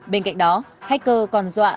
bên cạnh đó hacker còn dọa